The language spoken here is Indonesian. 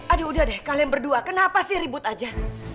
aduh udah deh kalian berdua kenapa sih ribut aja